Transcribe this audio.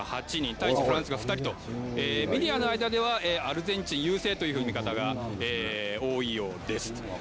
対してフランスが２人とメディアの間ではアルゼンチン優勢という見方が多いようです。